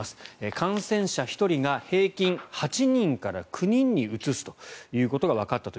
感染者１人が平均８人から９人にうつすということがわかったと。